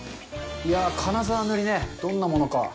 金沢塗りね、どんなものか。